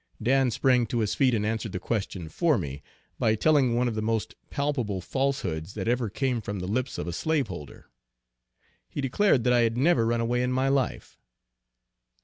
Dan sprang to his feet and answered the question for me, by telling one of the most palpable falsehoods that ever came from the lips of a slaveholder. He declared that I had never run away in my life!